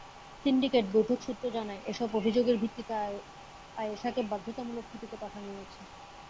Syndicate বৈঠক সূত্র জানায়, এসব অভিযোগের ভিত্তিতে আয়েষাকে বাধ্যতামূলক ছুটিতে পাঠানো হয়েছে।